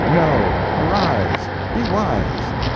No!—arise! Be wise!